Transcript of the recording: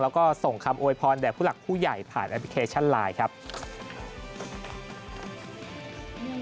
แล้วก็ส่งคำโวยพรแด่ผู้หลักผู้ใหญ่ผ่านแอปพลิเคชันไลน์ครับ